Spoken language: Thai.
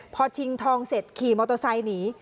พอชิงทองเสร็จขี่มอเตอร์ไซค์หนี